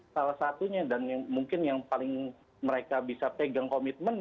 salah satunya dan mungkin yang paling mereka bisa pegang komitmen